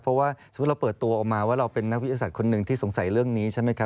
เพราะว่าสมมุติเราเปิดตัวออกมาว่าเราเป็นนักวิทยาศาสตร์คนหนึ่งที่สงสัยเรื่องนี้ใช่ไหมครับ